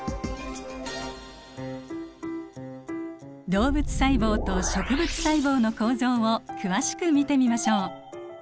動物細胞と植物細胞の構造を詳しく見てみましょう。